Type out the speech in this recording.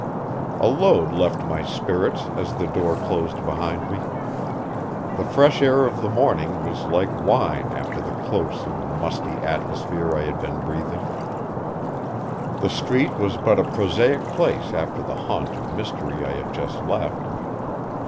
A load left my spirits as the door closed behind me. The fresh air of the morning was like wine after the close and musty atmosphere I had been breathing. The street was but a prosaic place after the haunt of mystery I had just left.